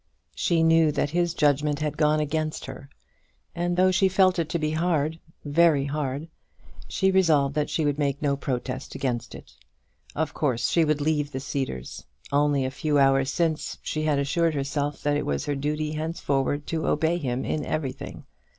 She knew that his judgment had gone against her, and though she felt it to be hard, very hard, she resolved that she would make no protest against it. Of course she would leave the Cedars. Only a few hours since she had assured herself that it was her duty henceforward to obey him in everything.